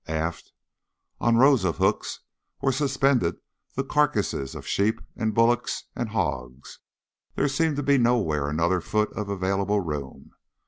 Aft, on rows of hooks, were suspended the carcasses of sheep and bullocks and hogs; there seemed to be nowhere another foot of available room.